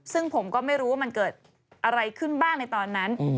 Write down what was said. ซึ่งผมก็ไม่รู้ว่ามันเกิดอะไรขึ้นบ้างในตอนนั้น